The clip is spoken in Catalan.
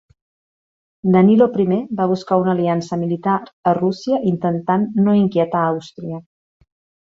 Danilo I va buscar una aliança militar amb Rússia intentant no inquietar Àustria.